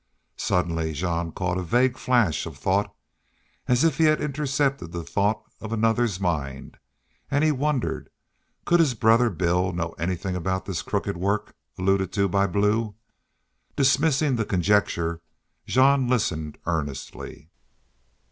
Suddenly Jean caught a vague flash of thought, as if he had intercepted the thought of another's mind, and he wondered could his brother Bill know anything about this crooked work alluded to by Blue? Dismissing the conjecture, Jean listened earnestly.